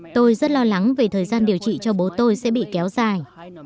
tôi rất lo lắng về thời gian điều trị cho bố tôi sẽ bị kéo dài